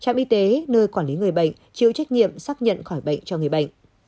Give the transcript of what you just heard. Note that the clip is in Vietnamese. trạm y tế nơi quản lý người bệnh chịu trách nhiệm xác nhận khỏi bệnh cho người bệnh